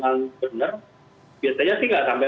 benar biasanya sih tidak sampai